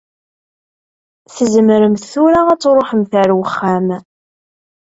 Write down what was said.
Tzemremt tura ad tṛuḥemt ar wexxam.